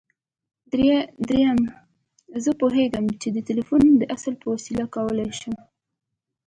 درېيم زه پوهېږم چې د تلقين د اصل په وسيله کولای شم.